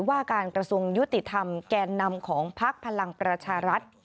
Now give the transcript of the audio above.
ว่าการกระทรวงยุติธรรมแก่นำของพักพลังประชารัฐ